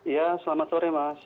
iya selamat sore mas